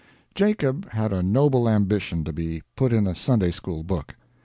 Jacob had a noble ambition to be put in a Sunday school book.